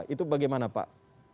itu bagaimana pak